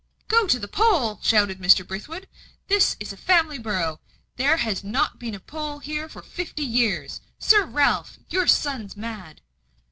"Go to the poll!" shouted Mr. Brithwood. "This is a family borough. There has not been a poll here these fifty years. Sir Ralph, your son's mad."